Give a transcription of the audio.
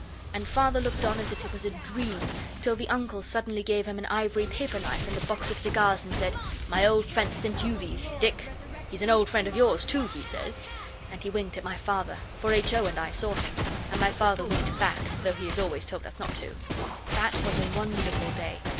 And Father looked on as if it was a dream, till the Uncle suddenly gave him an ivory paper knife and a box of cigars, and said, 'My old friend sent you these, Dick; he's an old friend of yours too, he says.' And he winked at my Father, for H. O. and I saw him. And my Father winked back, though he has always told us not to. That was a wonderful day.